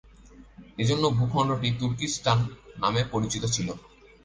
এজন্য ভূখণ্ডটি তুর্কিস্তান নামে পরিচিত ছিল।